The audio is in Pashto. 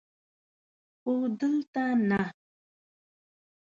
خو دلته نه!